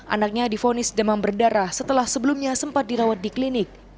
anaknya difonis demam berdarah setelah sebelumnya sempat dirawat di klinik